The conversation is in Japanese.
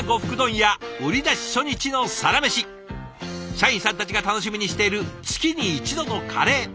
社員さんたちが楽しみにしている月に一度のカレー。